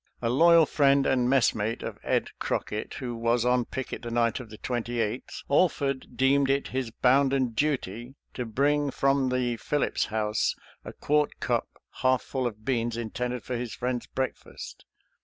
A loyal friend and messmate of Ed Crockett, who was on picket the night of the 28th, Alford deemed it his bounden duty to bring from the Phillips HOT SKIRMISH— WOUNDED 263 House a quart cup half full of beans intended for his friend's breakfast.